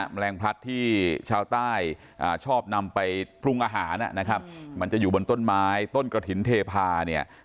แมลงพลัดที่ชาวใต้ชอบนำไปปรุงอาหารนะครับมันจะอยู่บนต้นไม้ต้นกระถิ่นเทพาเนี่ย